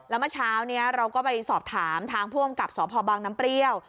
แล้วเมื่อเช้านี้เราก็ไปสอบถามทางผู้อำกับสพบังน้ำเปรี้ยว